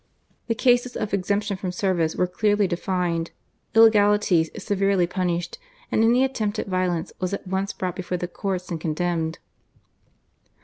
The cases of exemption from service were clearly defined, illegalities severely punished, and any attempt at violence was at once brought before the courts and condemned.